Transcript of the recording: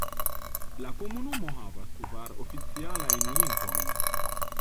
La komunumo havas kvar oficialajn lingvojn.